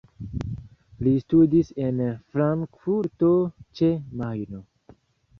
Li studis en Frankfurto ĉe Majno.